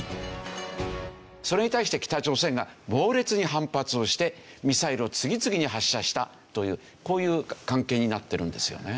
それに対して北朝鮮が猛烈に反発をしてミサイルを次々に発射したというこういう関係になってるんですよね。